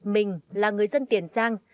mình là người dân tiền giang